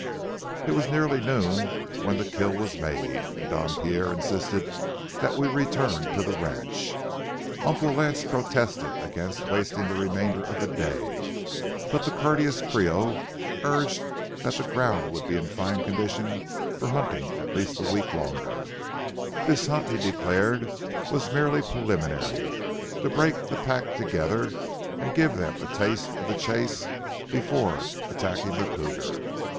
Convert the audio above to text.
It was nearly noon when the kill was made, and Don Pierre insisted that we return to the ranch. Uncle Lance protested against wasting the remainder of the day, but the courteous Creole urged that the ground would be in fine condition for hunting at least a week longer; this hunt he declared was merely preliminary—to break the pack together and give them a taste of the chase before attacking the cougar.